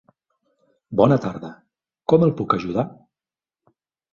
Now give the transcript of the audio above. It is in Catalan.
Bona tarda, com el puc ajudar?